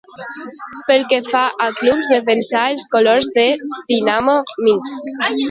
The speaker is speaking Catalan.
Pel que fa a clubs, defensà els colors de Dinamo Minsk.